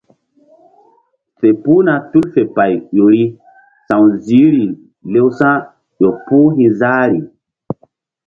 Fe puhna tul fe pay ƴo ri sa̧w ziihri lewsa̧ ƴo puh fe hi̧ záhri.